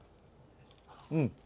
うん。